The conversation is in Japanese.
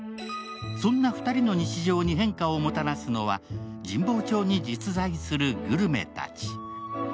そんな２人の日常に変化をもたらすのは、神保町に実在するグルメたち。